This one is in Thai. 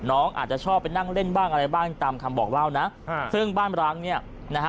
น้องอาจจะชอบไปนั่งเล่นบ้างอะไรบ้างตามคำบอกเล่านะอ่าซึ่งบ้านร้างเนี่ยนะฮะ